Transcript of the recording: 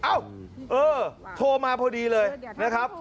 เอ้าเออโทรมาพอดีเลยนะครับ